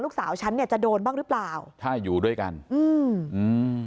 ฉันเนี้ยจะโดนบ้างหรือเปล่าถ้าอยู่ด้วยกันอืมอืม